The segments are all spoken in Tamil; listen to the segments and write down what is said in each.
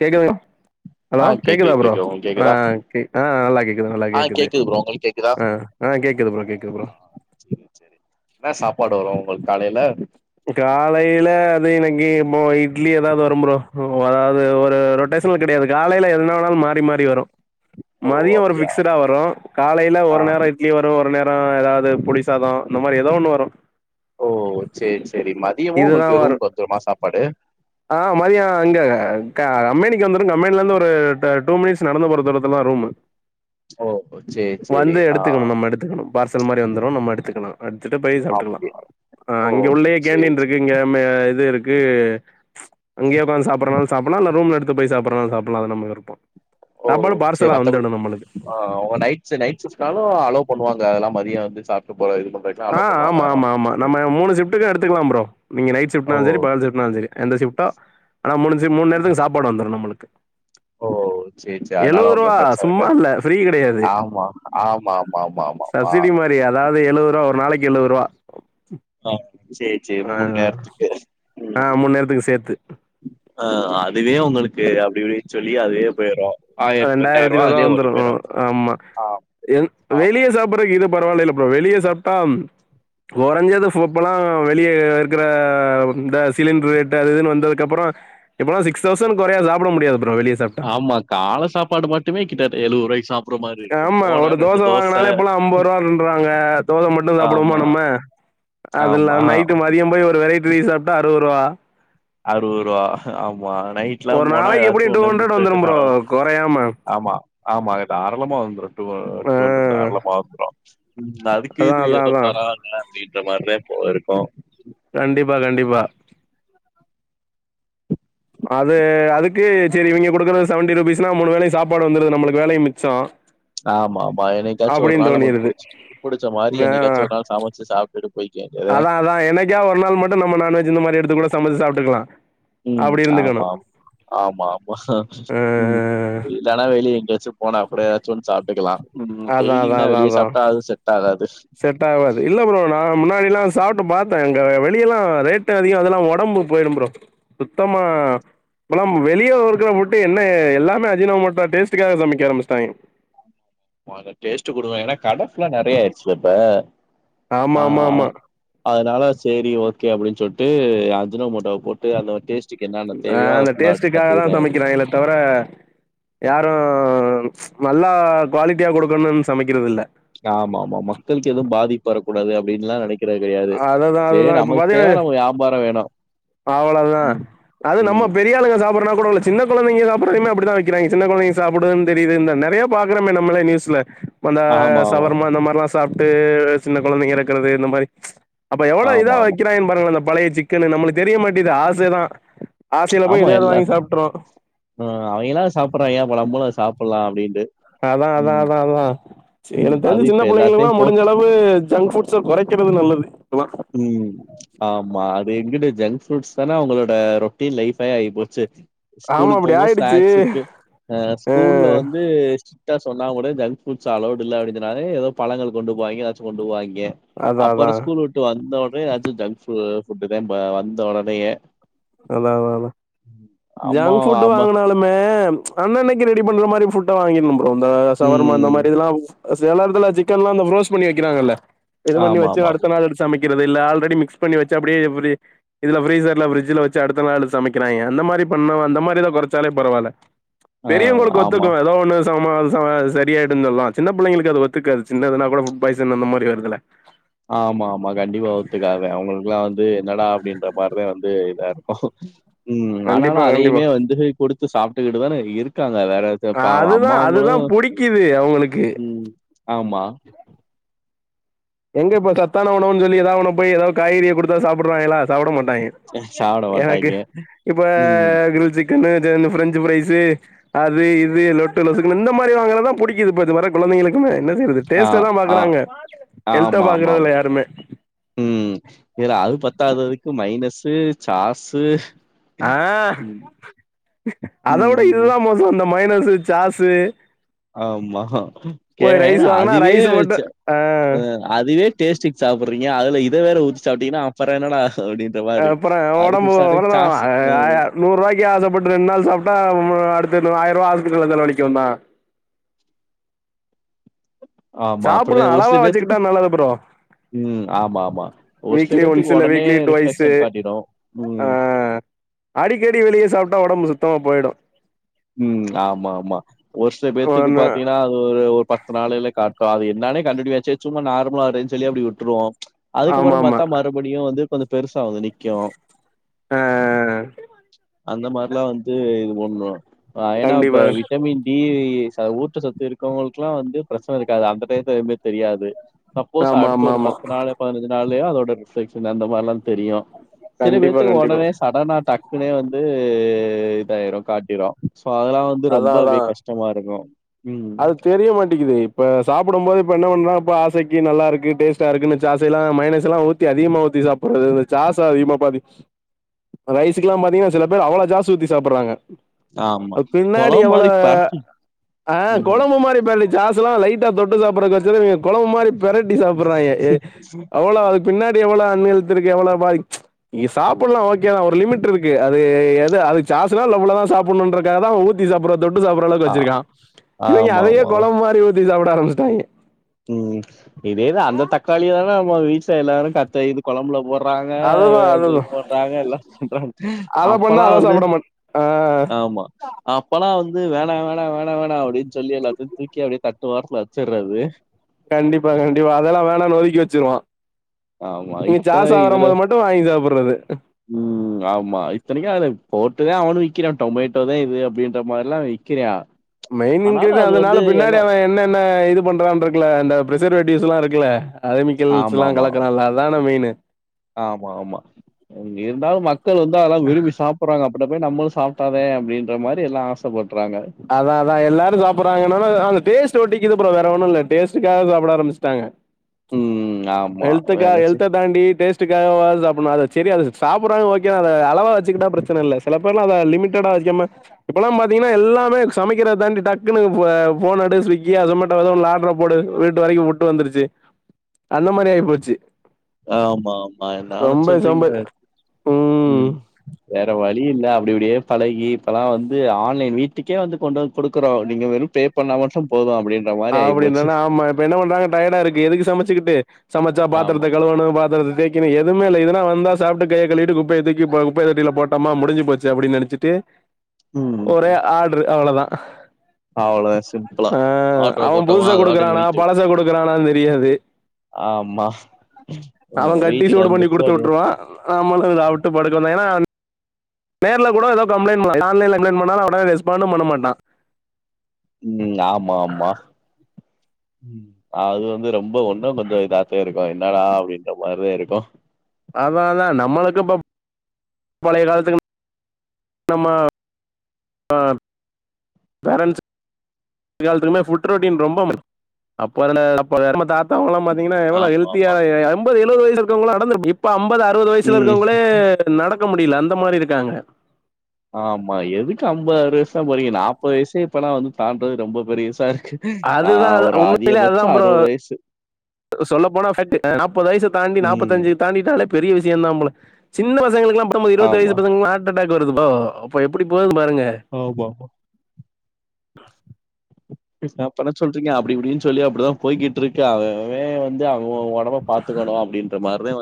கேக்குது ஹலோ ஆ கேக்குதா கேக்குது ப்ரோ கேக்குது உங்களுக்கு கேக்குதா ஆஹ் ஆஹ் நல்லா கேக்குது நல்லா ஆ கேக்குது ப்ரோ உங்களுக்கு கேக்குதா ஆஹ் ஆஹ் கேக்குது ப்ரோ கேக்குது ப்ரோ சேரி சேரி என்ன சாப்பாடு வரு உங்களுக்கு காலையில காலையில அது இன்னைக்கு இப்போ இட்லி ஏதாவது வரும் ப்ரோ அதாவது ஒரு ரொட்டேஷனல் கிடையாது காலையில எதனாலு மாறி மாறி வரும் ஓ மதியம் ஒரு அப்டியா பிக்ஸ்டா வரும் காலையில ஆ ஒரு நேரம் இட்லி வரு ஒரு நேர ஆ ஏதாவது புளி சாதம் இந்த மாரி ஏதோ ஒண்ணு வரும் ஓ சேரி சேரி மதியமு உங்களுக்கு ரூம் கொஞ்சமா சாப்பாடு ஆஹ் மதியம் அங்க க அம்மணி அங்கியு வந்துரு கம்பெனிலருந்து ஒரு ப டூ மினிட்ஸ் நடந்து போற தூரத்துல தா ரூமு ஓ சேரி சேரி வந்து ஆ எடுத்துக்கணு நம்ம எடுத்துக்கணு பார்சல் மாரி வந்து ஆமாமா எடுத்துக்கலா எடுத்துட்டு போய் சாப்பிட்டுக்கலா அப்டியா ஓ ஆஹ் இங்க உள்ளயே சேரி கேண்டீன் சேரி இருக்கு இங்க ம இது இருக் க்கு அங்கயே உக்காந்து சாப்டறானாலு சாப்டலா இல்ல ரூம்ல எடுத் து போய் சாப்பறனாலு சாப்பலா அது நம்ம விருப்போ ஓ சேரி மத்தபடி ஆ நைட் நைட் ஷிப்ட்னாலு அளோ பண்ணுவாங் அதெல்லா மதிய வந்து சாப்பி ஆ ஆமா ஆமா ஆமா நம்ம மூனு ஷிப்டக்கு எடுத்துக்கலா புரோ நீங்க நைட் ஓ ஷிப்ட்னாலு சரி பகல் ஷிப்னாலு சரி எந்த ஷிப்டோ ஆனா மூனு நேரத்துக்கும் சாப்பாடு வந்துரு நம்மளுக் ஓ செரி செரி அதனால எழுவது ஒண்ணும் ரூபா பிரச்சன சும்மா இருக்காது இல்ல ஃப்ரீ கிடையாது ஆமா ஆமா ஆமா ஆமா ஆமா சப்சிடி ஆமா மாதிரி அதாவது எழுவது ரூபா நாளைக்கு எழுவ ரூவா ஆ சேரி சேரி மூணு நேரத்துக்கு ஆ ம் மூணு நேரத்துக்கும் சேர்த்து ஆ அ இதுவே உங்களுக்கு அப்டி சொல்லி அதுவே போயிரு ஆயிரத்தி ரெண்டாயிரத்தி ரெண்டாயிரூவா நூறுவா அதுலயே ஓடி போயிரு வந்துரும் ஆமா ஆமா வெளிய சாப்டுறதுக்கு இது பரவாயில்லப்பா ப்ரோ வெளிய சாப்ட்டா கொறஞ்சது ஃபோப்பல்லா வெளிய இருக்கிற இந்த சிலிண்டர் ரேட்டு அது இதுன்னு வந்ததுக்கப்பறம் இப்பல்லா சிக்ஸ் தௌசண்ட் குறையா சாப்ட முடியாது ஆமாக்கா மாரி இருக்கு ஆமா போனா ஒரு ரெண்டு தோச வாங்கினாலே இப்பல்லா ஐம்பரூவா இருன்றாங்க தோச மட்டும் சாப்பிடுவோமா ஆமா நம்ம அதுல்ல ஆமா நைட்டு அதிக போய் ஒரு வெரைட்டி ரைஸ் சாப்ட்டா அறுவரூவா அருவ ரூபா ஆமா நைட்ல்லா ஒரு போனா நாளைக்கு ஏதாச்சும் எப்படியும் டூ ஒண்னு ஹண்ட்ரட் முட்ட இட்ட வந்துடும் ப்ரோ சாப்டாம குறையாம ஆமா ஆமா அது தாரளமா வந்துரு டூ ஆ ஹண்டர்ட் தாராளம் வந்துரும் அதுக்கு அதான் இது அதான் ஏதோ அதான் பராவால்ல அப்படின் இந்த மாரிதா இப்போ இருக்கோ கண்டிப்பா கண்டிப்பா அது அதுக்கு செரி இவிங்க கொடுக்குற செவன்டி ருபீஸ்னா மூணு வேலையும் சாப்பாடு வந்துடுது நம்மளுக்கு வேலையு மிச்ச ஆமா ஆமா என்னைக்காச்சு ஒரு நாள் நமக்கு புடிச்ச புடிச்ச மாரி என்னைக்காச்சும் ஒரு நாள் சமைச்சு சாப்ட்டுட்டு போய்க்க வேண்டியது. அதா அதா என்னைக்கா ஒரு நாள் மட்டு நம்ம நான்வெஜ் இந்த மாரி எடுத்துக்கூட சமைச்சு சாப்பிட க்கலாம் ம் ஆமா ஆமா ஆமா அ ம் இல்லன்னா வெளிய எங்க போனா கூட ஏதாச்சு ஒன்னு சாப்ட்டுக்கலா ம் அதான் அதான் டெய்லியுந்தா அதான் வெளிய அதான் சாப்ட்டா அது செட் ஆகாது. செட் ஆவாது இல்ல ப்ரோ நா முன்னாடில்லா சாப்ட்டு பாத்த அங்க வெளிய எல்லாம் ரேட்டு அதுவு இல்லாம ஒடம்பு போயிடும் புரோ சுத்தமா இப்பலா வெளிய இருக்கிற ஃபுட் என்ன எல்லாமே அஜீனமோட்டோ டேஸ்டுக்காக சமக்க ஆரம்பிச்சிட்டாங்க அத டேஸ்ட்டு குடுக்கன் ஏன்னா கட ஃபுல்லா நெறைய ஆயிடுச்சுல்ல இப்ப ஆமா ஆமா ஆமா சேரி ஓகே அப்பிடின்னு சொல்ட்டு அஜினோ மோட்டாவ போட்டு அந்த டேஸ்ட் அஹ் அந்த டேஸ்ட்டுக்காக தா சமக்கிறேனே தவிர யாரும் நல்லா குவாலிட்டியா குடுக்கணும்னு சமைக்கிறது இல்ல ஆமா ஆமா மக்களுக்கு எதும் பாதிப்பு வரக்கூடாது அப்பிடின்ல்லாம் நெனக் கிறது கெடையாது அதுதான் சேரி அதுதான் இப்போ பார்த்தீங்கன்னா நமக்குத் தேவ நம்ம வியாபார வேணும் அவ்ளோதா ம். அது நம்ம ம். பெரியாளுங்க சாப்ட்றனா [inaudible] சின்ன கொழந்தைங்க சாப்டறதயுமே அப்டிதா விக்கிறாய்ங்க சின்ன கொழந்தைங்க சாப்ட்றதுன்னு தெரியுது இந்த நெறைய பாக்குறமே நம்மலே நியூஸ்ல இப்ப அந்த ஆமா ஆமா. ஷவர்மா இந்த மாரிலா சாப்ட்டு சின்ன கொழந்தைங்க எறக்குறது இந்த மாரி அப்ப எவ்வளோ ஆமா, இதா ஆமா. வக்கிறாங்கன்னு பாருங்க அந்த பழைய சிக்கனு நம்மளுக் தெரிய மாட்டேது ஆசதா ஆமா எல்ல ஆஹ் அவெய்ங்கெல்லா சாப்டுறாய்ங்க அப்ப நம்பளு அது சாப்ட்லா அப்டின் அதா அதா அதா அதா சே ம். எனக்கு அது தெரிஞ்ச இப்ப சின்னப் பிள்ளைங்களுக்கெல்லா எல்லாத்தையும் முடிஞ்ச போட் அளவு ஜங்க் ஃபுட்ஸ கொறைக்கிறது நல்லது உம் ஆமா அத் எங்கிட்டு ஜங்க் ஃப்ரூட்ஸ் தானே அவங்களோட ரொட்டீன் லைஃபே ஆயி போச்சு ஆமா ஸ்கூலுக்கு அப்டி போகும்போது ஆயிடுச்சு ஸ்நாக்ஸு இருக்கு அ ஆ ஸ்கூல்ல வந்து ஸ்ட்ரிக்ட்டா சொன்னா கூட ஜங்க்ஃபுட்ஸ் அலவ்டு இல்ல அப்படின்னு சொன்னாளே ஏதோ பழங்கள் கொண்டு போவாய்ங்க எதாச்சு கொண்டுபோவாய்ங் யே அதா அதா அப்பற ஸ்கூல் விட் வந்த ஒடனே ஏதாச்சு ஜங்க்ஃபு ஃபுட்டு தா வந்த ஒடனேயே அதா அதா அதா அம்மா ஜங்க் ஃபுட் ஆமா. வாங்குனாலுமே அன்னன்னைக்கு ரெடி பண்ற மாதிரி ஃபுட்டா வாங்கிடனும் போ இப்ப இந்த சவர்மா அந்த ம். மாதிரி இதெல்லா செல எடத்துல சிக்கன்ல்லா அந்த ஃப்ரோஸ் பண்ணி விக்கிறாங்கல்ல இது பண்ணி வச்சு ஆமாமாமா. அடுத்த நாள் எடுத்து சமைக் றது இல்ல ஆல்ரெடி மிக்ஸ் பண்ணி வச்சு அப்பிடியே ஃப்ரி இதுல ஃபிரீசர்ல ஃபிரட்ஜுல வச் ச்சு அடுத்த நாள் சமைக்கிறாய்ங்க அந்த மாரி பண்ணுவ அந்த மாரி இதக் கொறச்சாலே பரவால்ல ஆ பெரியவங்களுக்கு ஆமா. ஒத்துக்கு ஏதோ ஒண்ணு [unintelligible] சரியாயிடுன்னு சொல்லலா சின்ன பிள்ளைங்களுக்கு அது ஒத்துக்காது சின்னதுன்னா கூட ஃபுட் பாய்சன் அந்த மாரி வருதுல்ல ஆமா ஆமா கண்டிப்பா ஒத்துக்காது அவங்களுக்குலா வந்து என்னடா அப்பிடின்ற மாரிதா வந்து இதா இருக் உம் ஆனாலு கண்டிப்பா கண்டிப்பா அதையுமே வந்து குடுத் து சாப்ட்டுக்கிட்டுதான இருக்காங் அ அதுதா அதுதா புடிக்குது அவங்களுக்கு ம். ஆமா எங்க இப்ப சத்தான உணவுன் சொல்லி எதா ஒன்ன போய் எதாவ்து காய்கறிய குடுத்தா சாப்புடுறாய்ங்களா சாப்புட மாட்டாய்ங்க சாப்பிட எனக்கு மாட்டாய்ங்க. இப்ப ம். கிரில் சிக் பிரஞ்சு பரைஸ் அது இது லொட்டு லசுக்க இந்த மாதிரி வாங்கதான் பிடிக்குது குழந்தைங்களுக்கும என்ன செய்ரியது ஆ, டேஸ்ட் தான் ஆ. பாக்குறாங்க பாக்குறதல யாருமே உம் வேற அது பத்ததுதுக்கு மைனஸு சாசு ஆஹ் அத விட ம். இல்லாம் மோசம் வந்த மைனஸு சாஸு ஆமாே போய் ரைஸ் ஏன்னா வாங்குனா அதுவேஹ ரைஸு மட்டு ஆ அதுவே டேஸ்ட் சாப்பிட்றங்க அதில் இதை வேறஊற்ற சாப்பீங்கன்னா அப்புற என்னா அப்புறம் உடம்பு சாஸ் ம் அதான் நூறு ரூபாய்க்கு ஆசைப்பட்டு ரெண்டு நாள் சாப்பிட்டா அடுடுத்த ஆயிரம் ரூபா ஆதுத்துக்குள்ள நிலவலக்கும் தான் ஆமா அப்டிதா சாப்பிடலாம் ஒரு சில அளவா பேத்துக்கு வச்சுக்கிட்டா நல்லது ப்ரோ ம் ஆமா ஆமா ஒரு சில வீக்ல ஒன் பேத்துக்கு இல்ல ஒடனே வீக்ல டு வஸ்ு ரிஃப்ளெக்ஷன் காட்டிடு ம் ஆஹ் அடிக்கடி வெளியே சாப்பிட்டா உடம்பு சுத்தமா போயிடும் உம் ஆமா ஆமா ஒருஷ பேத்துக்கு ஒன்னு பாத்தீங்கன்னா அது ஒரு ஒரு பத்து நாள்ில காட்டு அது என்னாலே கண்டுிப்பாச்ச சும்மா ந ு சொல்லி அப்படி விட்டுருவோம் ஆமா அதுக்கப்புறம் ஆமா பத்தா மறுபடியும் வந்து கொஞ்சம் பெருசா வந்து நிக்கும் ஆ அந்த மாதிரிலாம் வந்து ஒ ஏன்னா இப்ப கண்டிப்பா விட்டமின் டி ஊற்ற சொத்து இருக்கவங்களுக்கு எல்லாம் வந்து பிரச்சனை இருக்காது அந்த டையத்துல எமே தெரியாது சப்போஸ் ஆமா அடுத்து ஆமா ஒரு ஆமா பத்து நாள்ு பதினஞ்சு நாள் அதோட அ மாதிரில தெரியும் சில கண்டிப்பா பேடத்துக்கு கண்டிப்பா உடனே சடனா டக்குனே வந்து இதாயிரும் காட்டிரோம் இப்ப அதெல்லாம் வந்து அதா ரொம்ப அதா அப்படியே கஷ்டமா இருக்கும் அது தெரிய மாட்டேக்குுது இப்ப சாப்பிடும் போது இப்ப என்ன பண்றா இப்ப ஆசைக்கு நல்லா இருக்கு டேஸ்டா இருக்குன்னு சாசை எல்லாம் மைனஸ் எல்லாம் ஊி அதிகமா ஊத்தி சாப்பிறது இந்த சாசை அதிகமா பாத்த ரைஸுக்கு எல்லாம் பாத்தீங்கன்னா சில பேர் அவ்வளோ சாசு ஊித்தி சாிடுறாங்க ஆம்மா பொழவு மாரி பார்த்தி கொழம்பு மாரிப்ப பாரே சாஸ்ஸெல்லாம் லைட்டா தொட்டு சாப்பிடறதாசே கொழம்பு மாரி பெரட்டி சாப்பிடடுறாய்ங்க எ அவ்ளோவ அதுக்கு பின்னாடி எவ்வளோ தண்ணி ஊத்திருகாங்கலா பாவி இ சாப்பல்லாம் ஒகே ஒரு லிமிட்டிருக்கு அது எது அது சாஸெல்லாம் இவ்வளவுதான் சாப்பன்ருக்காவ தான ஊத்தி‌ சாப்புற தொட்டு சப்பர அளவுக்கு ஆ வெச்சிருக்கியான் இவங்க ஆமா அதையே கெழம்பு மாரி ஊத் டலாம் ஆரம்பிச்டுங்க உம் இதேதா அந்த தக்காளியே [unintelligible] எல்லாரும் கத்தது கொழம்புல வர்ராங்க அதுதான் எல்லா திரு அதுதான் போட்டாங்க எல்லா சொல்றாங்க அத பண்ணா அப்பெல்லா அத வந்து சாப்புட மாட் ஆ ஆம்மா அப்பெல்லா வந்து து வேணா வேணா வேணா வேணா அப்டின்னு சொல்லி எல்லாத்தையும் தூக்கி அப்டியே தட்டு ஓரத்துல வெச்சுறது கண்டிப்பா கண்டிப்பா அதெல்லா வேணான்னு ஒதுக்கி வெச்சிருவோ ஆமா இங்க சாஸ் ஆ வரும் போது மட்டு வாங்கி சாப்புறது உள்ளது உம் ஆமா இத்தனைக்கு அதுல போட்டுதா அவனு விக்கிறா டொமேட்டோதா இது அப்டின்றது மாரில்லா விக்கிறா மெயன் ஆனாலு இங்ரிடியண் அது அதனால வந்து பின்னாடி எல்லா அவன் என்னென்ன இது பண்றானு இருக்குல்ல அந்த பிரசர்வேட்டிவ்ஸ்லா இருக்குல்ல அறுமிக்கல்ஸ்லாம் கலக்கரா ல அதான மெயினு ஆமா ஆமா இங்க இருந்தாலும் மேக் க்கள் வந்து அதல்ல விரும்பி சாப்பிறாங்க அப்புறம் நம்மளு சாப்பிட்டாதே அப்டின்ற மாரி எல்லா ஆசப்படுத் அதா அதா எல்லாரு சாப்பிடுறாங்கன்னா அந்த டேஸ்ட் ஒட்டி இதுப்புறம் வேறவொண்ணு இல்ல டேஸ்டக்காக சாப்பிட ஆரம்பிச்சிட்டாங்க ம் ஆமா ஹெல்த்துக்கு வேறச்சு ஹெல்த தாண்டி டேஸ்டக்காகவாது சாப்பிடனு அது செரி அத சாப்புடுறாங்க ஓகே அத அளவா வெச்சுகிட்டா பிரச்சன இல்ல சிலபேர்லா அத லிமிடட்டா வெக்காம இப்பெல்லாம் பாத்தீங்கன்னா எல்லா ப்ப சமைக்கிறத தாண்டி டக்குனுப்ப போனெடு ஸ்விக்கி அ ஸொமேட்டோவா எதோவொன்ல ஆடர போடு வீட்டு வரைக்கும் புட்டு வந்துருச்சு அந்த மாரி ஆயிபோச்சு ஆமா ஆமா என்னா அலச்சல்றீங்க சோம்பேறி உம் ம் வேற வழி இல்ல அப்டிப் அப்டியே பழகி இப்பெல்லா வந்து ஆன்லைன் வீட்டுக்கே வந்து கொண்டு வந் குடுக்குறோ நீங்க வெறும் பே பண்ணா மட்டும் போதும் அப்டின்றனா ஆமா இப்ப என்ன பண்றாங்க டயர்டா இருக்கு எதுக்கு சமச்சுக்கிட்டு சமச்சா ஆமா பாத்திரத்த கழுவணு பத்திரத்த தேய்க்கிற எதுவுமே இல்ல இதுனா வந்தா சாப்ட்டு கைய கழுவிட்டு குப்பையை தூக்கி இப்ப குப்பை தொட்டில போட்டமா முடிஞ்சு போச்சு அப்டின்னு நெனச்சிட்டு ஒரே ஆர்டரு அவ்ளோதா அவள சிம்ப்ளா பாட்ட அவ புதுச குடுக்குறானா பழச குடுக்குறானானு தெரியாது ஆமா அவ ம். கட்டி வீட்டுக்கு சூடு பண்ணி வந்துருச்சு குடுத்து அப்டியே உட்ருவா நம்மளு சாப்ட்டு படுக்கணு ஏனா நேர்ல கூட ஏதோ கம்ப்ளைண்ட் பண்லா ஆன்லைன்ல கம்ப்ளைண்ட் பண்ணாலு உடனே ரெஸ்பாண்டு பண்ண மாட்டா ம் ஆமா ஆமா அது வந்து ரொம் ப ஒன்னு கொஞ்ச இதாத்தா இருக் கு என்னடா அப்டின்ற மாரிதா இருக்கு அதா அதா நம்மளுக்கு இப்ப பழைய காலத்துக்கு நம்ம ஆ பேரண்ட்ஸ் எல்லாத்துக்குமே ஃபுட் ரொட்டின் ரொம்ப முக்கிய அப்ப இருந்த அப்ப இருந்த தாத்தாவங்களா பாத்தி ங்னா எவ்ளோ ஆமா ஹெல்த்தியா ஆமா எம்பது எழுவது வயசு இருக்கவங்ளா நடந்து இப்ப அம் பது அறுபது வயசுல ம் இருக்கவங்களே நடக் க முடியல அந்த மாரி இருக்காங்க ஆமா எதுக்கு அம்பது அறுது வயசுலா போறிங்க நாப்பது வயசுலயே இப்பலா வந்து தாண்றது ரொம்ப பெரிசா இருக் அதுதா அது அ உண்மையிலயே அதுதா ப்ரோ வயசு. சொல்லப்போனா ஃபேக்ட் நாப்பது வயச தாண்டி ம். நாப்பத்தஞ்சு தாண்டிட்டாலே பெரிய விஷயந்தா போல சின்ன பசங்களுக்லா பத்தொம்பது இருபது ஆமா. வயசு பசங்களா ஹார்ட் அட்டாக் வருது அப்ப எப்படி போது பாரு ஆமாமா எப்டி ஸ்டாப் பண்ண சொல்றிங்க அப்டி இப்டின் சொல்லி அப்டிதா போய்கிட்ருக்கு அவ அவே வந்து அ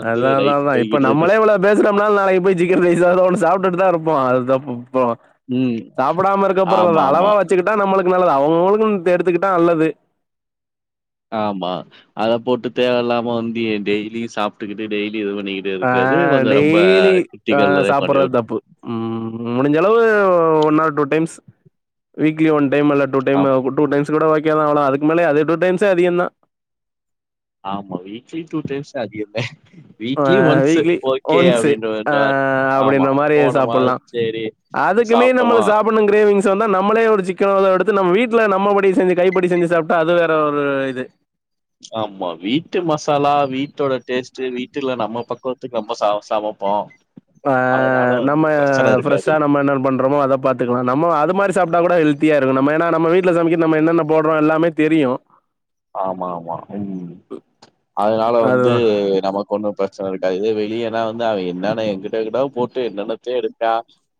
வந்து அதா அதா லைஃப் அதா இப்ப போய்க்கிட்டு இருக்கு. நம்மளே இவ்ளோ பேசுறம்னாலு நாளைக்கு போய் சிக்கன் ரைஸாது ஒண்ணு சாப்டுட்டுதா இருப் போ அதா இப் போ ம். சாப்பிடாம இருக்கப்போறதில்ல அளவா ஆமாமா. வெச்சுகிட்டா நம்மளுக் கு நல்லது அவுங்கவுங்ளுன் எடுத்துக்கிட்டா நல்லது ஆமா அத போட்டு தேவ இல்லாம வந்து டெய்லியு சாப்ட்டுகிட்டு டெய்லி இது பண்ணிக்கிட்டு ஆ இருக்கிறது கொஞ்சம் ரொம்ப டெய்லி ஆ கிரிட்டிக்கல்ல தான் கொண்டு சாப்படறது விடும். தப்பு ம் முடிஞ்சளவு one or two times weekly one time இல்ல டூ டைம் ஆம். டூ டைம்ஸ் கூட ஓகேதா அதுக்கு மேலயு அதே டூ டைம்ஸே அதிகந்தா ஆமா வீக்லி டூ டைம்ஸ் அதிகந்தே ஆ வீக்லி ஒன்ஸூ அப்டின்ட்டு ஆ வருவாரு ஆமா அப்படின்ற மாறி போனமா சாப்புட்லா சேரி அதுக்குமே நம்மள சாப்ட்டமா சாப்டணும் க்ரேவிங் ஸ் வந்தா நம்மளே ஒரு சிக்கனோ தோ எடுத்து நம்ம வீட்டுல நம்மபடி செஞ்சு கைப்படி செஞ்சு சாப்ட்டா அது வேற ஒரு இது ஆமா வீட்டு மசாலா வீட்டோட டேஸ்ட் வீட்ல நம்ம பக்குவத்துக்கு நம்ம ச சமப்போ ஆ நம்ம ஃப்ரஷ்ஷா நம்ம என்ன பண்றோமோ அத பாத்துக்கலா நம்மோ அது மாரி சாப் ட்டா கூட ஹெல்த்தியாருக்கு நம்ம ஏன்னா நம்ம வீட்ல சமைக்க நம்ம என்னென்ன போட்றோ எல்லாமே தெரியு ஆமா ஆமா உம் அதனால வந்து அதுதான் நமக்கு ஒன்னு ப சோவிக்காது இதே வெளியன்னா வந்து அவெ என்னன்ன எங்கிட்டு எங்கிட்டோ போட்டு என்னென்னத்தயோ எடுத்தா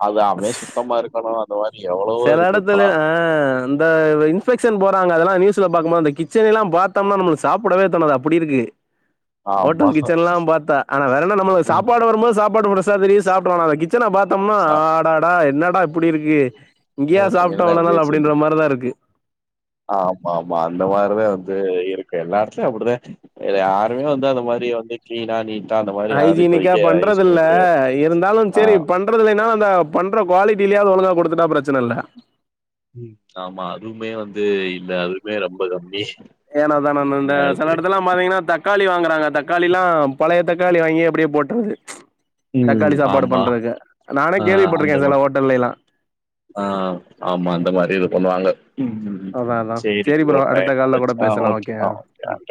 அது அஆமே சுத்தமா இருக்கணு அந்த மாரி எவ்வளவோ செல இருக்கு எடத்துல இப்பல்லா அ இந்த வெ இன்ஸ்ஃபெக்ஷன் போறாங்க அதெல்லா நியூஸ்ல பாக்கம்போது அந்த கிச்சனெல்லா பாத்தம்னா நம்மளுக் சாப்படவே தோணாது அப்டி இருக்கு ஆமா ஓட்டல் கிச்சன்ல்லா பாத்தா ஆனா வேறென்ன நம்மோது ம் சாப்பாடு வரும்போது சாப்பாடூட தெரிய சாப்பிடனால கிது கிச்சன பாத்தம்னா அடாடா என்னடா இப்பிடி இருக்கு இங்கேயா சாப்ட்டோ என்னடா இவ்ளோ இப்டி நாள் வச்சிருக்கீங்க அப்படின்ற மாதிரிதா இருக்கு ஆமா ஆமா அந்த மாரிதா வந்து இருக்கு எல்லா எடத்துலயு அப்பிடிதா யாருமே வந்து அந்த மாரி வந்து க்ளீனா நீட்டா அந்த மாரி யாரும் ஹைஜீனிக்கா இப்போதைக்கு யூஸ் பண்றதில்ல பண்ணிக்கிற இருந்தாலு ஆ. சரி பண்றது இல்லைன்னாலு அந்த பண்ற குவாலிட்டிலியாவது ஒழுங்கா குடுத்துட்டா பிரச்சனை இல்ல ஆமா அதுவுமே வந்து இல்ல அது மே ரொம்ப கம்மி ஏனா தானானு இந்த எல்லா செல இடத்துலயும். எடத்துலல்லா பாத்தீங்கன்னா தக்காளி வாங்க தக்காளில்லா பழைய தக்காளி வாங்கி அப்டியே போட்றது உம் தக்காளி சாப்பாடு ஆமா பண்றதுக்கு நானே ஆ அந்த கேள்விப்பட்டிருக்கே சில ஹோட்டல்லைலா ஆ ஆமா அந்த மாரி இது பண்ணுவாங்க ம். ம். அதா ம். அதா சரி ப்ரோ அடுத்த டைம் கால்ல கூட முடிஞ்ச்சு. ஆ பேசலா ஓகே யா ஆ ஓகே.